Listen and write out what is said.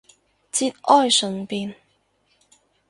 節哀順變